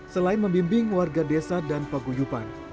selain membimbing warga desa dan pagu yupan